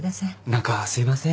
何かすいません。